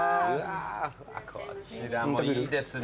こちらもいいですね。